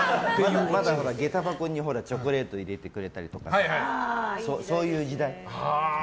まだ下駄箱にチョコレート入れてくれたりとかそういう時代。